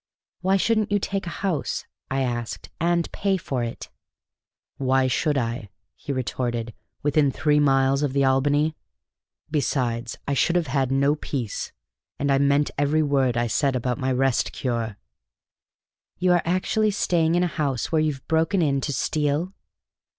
"Why shouldn't you take a house," I asked, "and pay for it?" "Why should I," he retorted, "within three miles of the Albany? Besides, I should have had no peace; and I meant every word I said about my Rest Cure." "You are actually staying in a house where you've broken in to steal?"